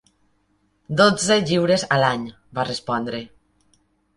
"Dotze lliures a l'any", va respondre.